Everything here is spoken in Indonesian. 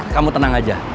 kamu tenang aja